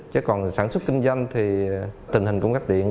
chứ còn sản xuất kinh doanh thì tình hình cung cấp điện